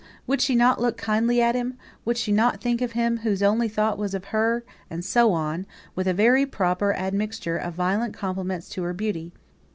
Would she not look kindly at him? would she not think of him whose only thought was of her? and so on, with a very proper admixture of violent compliments to her beauty.